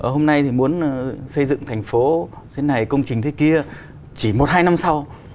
hôm nay thì muốn xây dựng thành phố thế này công trình thế kia chỉ một hai năm sau